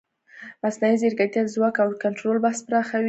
مصنوعي ځیرکتیا د ځواک او کنټرول بحث پراخوي.